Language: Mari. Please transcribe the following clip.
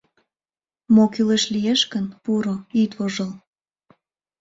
Мо кӱлеш лиеш гын, пуро, ит вожыл.